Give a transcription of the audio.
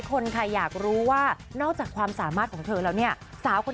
คนค่ะอยากรู้ว่านอกจากความสามารถของเธอแล้วเนี่ยสาวคน